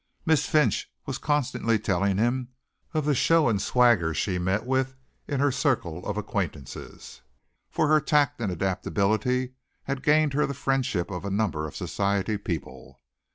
Miss Finch was constantly telling him of the show and swagger she met with in her circle of acquaintances, for her tact and adaptability had gained her the friendship of a number of society people.